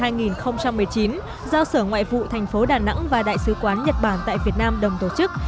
giao sở ngoại vụ thành phố đà nẵng và đại sứ quán nhật bản tại việt nam đồng tổ chức